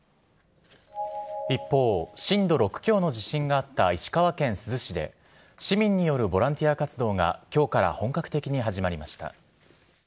一方、震度６強の地震があった石川県珠洲市で市民によるボランティア活動が今日から本格的に始まりました。